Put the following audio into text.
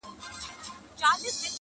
خو ذهن کي يې شته ډېر